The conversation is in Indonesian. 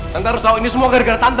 kita harus tahu ini semua gara gara tante